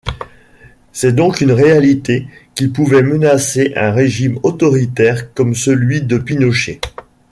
C'est donc une réalité qui pouvait menacer un régime autoritaire comme celui de Pinochet.